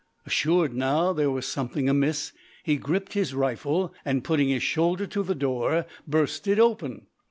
Assured now there was something amiss, he gripped his rifle, and putting his shoulder to the door, burst it open.